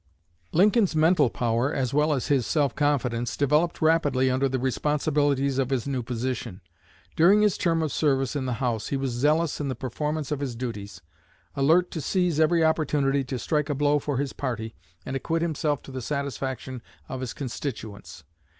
Lincoln's mental power, as well as his self confidence, developed rapidly under the responsibilities of his new position. During his term of service in the House he was zealous in the performance of his duties, alert to seize every opportunity to strike a blow for his party and acquit himself to the satisfaction of his constituents.